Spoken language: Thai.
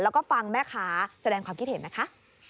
แล้วก็ฟังแม่ค้าแสดงความคิดเห็นนะคะ